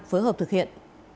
phối hợp thực hiện